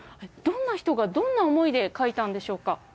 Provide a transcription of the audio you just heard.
どんな人が、どんな思いで書いたんでしょうか。